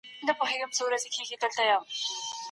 زه به څنګه ستا در ته ودرېږم .